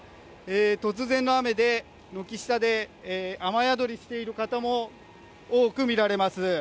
突然の雨で、軒下で雨宿りしている方も多く見られます。